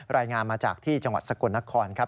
รายงานมาจากที่จังหวัดสกลนครครับ